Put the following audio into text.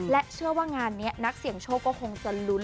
เชื่อว่างานนี้นักเสี่ยงโชคก็คงจะลุ้น